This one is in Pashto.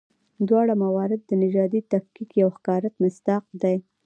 دواړه موارد د نژادي تفکیک یو ښکاره مصداق دي.